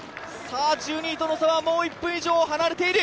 １２位との差は１分以上離れている。